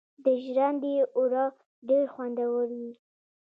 د ژرندې اوړه ډیر خوندور وي.